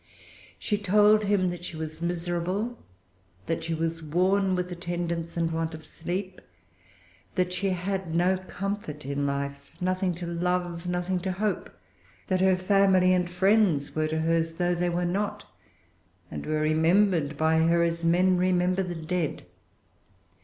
She told him that she was miserable, that she was worn with attendance and want of sleep, that she had no comfort in life, nothing to love, nothing to hope, that her family and friends were to her as though they were not, and were remembered by her as men remember the dead.